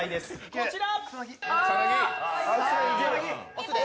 こちら。